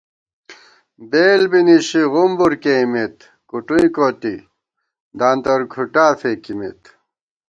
بېل بی نِشی غُمبُر کېئیمېت، کُٹُئیں کوٹی دانتر کھُٹا فېکِمېت